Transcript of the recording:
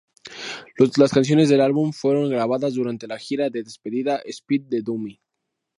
Las canciones del álbum fueron grabadas durante la gira de despedida 'Spit the Dummy'.